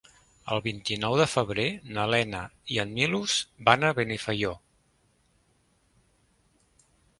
El vint-i-nou de febrer na Lena i en Milos van a Benifaió.